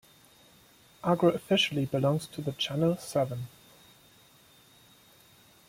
Agro officially belongs to Channel Seven.